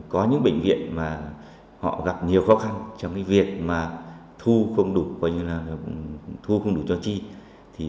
có những bệnh viện mà họ gặp nhiều khó khăn trong việc thu không đủ cho chi